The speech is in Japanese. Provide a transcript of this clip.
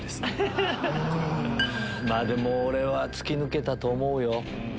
でも俺は突き抜けたと思うよ。